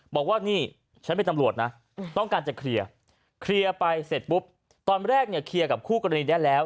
บอกว่านี่ฉันเป็นตำรวจนะต้องการจะเคลียร์เคลียร์ไปเสร็จปุ๊บตอนแรกเนี่ยเคลียร์กับคู่กรณีได้แล้ว